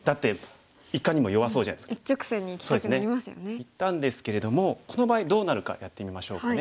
いったんですけれどもこの場合どうなるかやってみましょうかね。